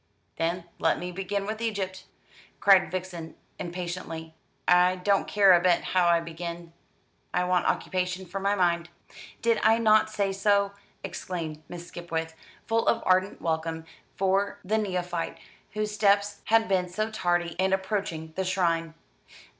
"Then let me begin with Egypt!" cried Vixen impatiently. "I don't care a bit how I begin. I want occupation for my mind." "Did I not say so?" exclaimed Miss Skipwith, full of ardent welcome for the neophyte whose steps had been so tardy in approaching the shrine.